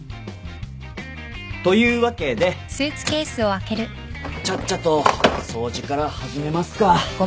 というわけでちゃっちゃと掃除から始めますか。